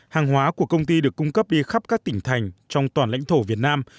hàng hóa của công ty được cung cấp đi khắp các tỉnh thành trong toàn lãnh thổ việt nam